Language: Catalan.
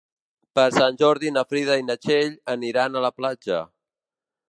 Per Sant Jordi na Frida i na Txell aniran a la platja.